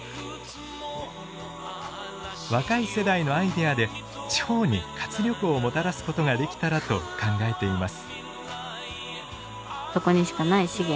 若い世代のアイデアで地方に活力をもたらすことができたらと考えています。